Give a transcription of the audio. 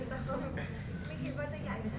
แต่ไม่คิดว่าจะใหญ่เกิน